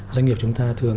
doanh nghiệp chúng ta thường